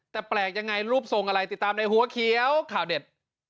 แต่แปลกยังไงรูปทรงอะไรติดตามในหัวเขียวข่าวเด็ด